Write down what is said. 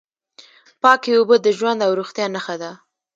پاکې اوبه د ژوند او روغتیا نښه ده.